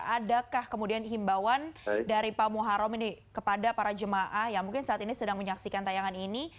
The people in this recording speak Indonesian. adakah kemudian himbauan dari pak muharrem ini kepada para jemaah yang mungkin saat ini sedang menyaksikan tayangan ini